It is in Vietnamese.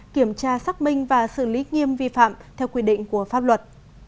kiểm tra xác minh và xử lý nghiêm vi phạm theo quy định của pháp luật